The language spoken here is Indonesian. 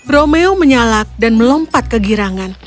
romeo menyalak dan melompat ke girangan